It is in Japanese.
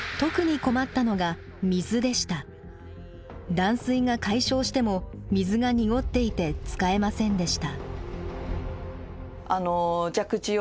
断水が解消しても水が濁っていて使えませんでした。